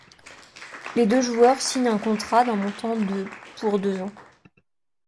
Les deux joueurs signent un contrat d'un montant de pour deux ans.